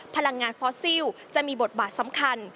พลังงานฟอสซิลจะมีบทบาทสำคัญ